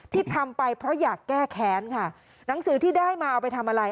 ที่ทำไปเพราะอยากแก้แค้นค่ะหนังสือที่ได้มาเอาไปทำอะไร